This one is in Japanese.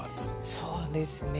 そうですね。